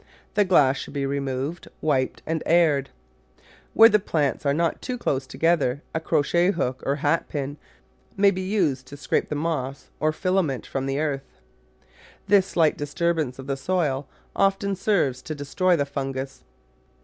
The glass should be removed, wiped, and aired. Where the plants are not too close together a crochet hc>ok or hat pin may be used to scrape the moss or filament from the earth. This slight disturbance of the soil often serves to destroy the fungus.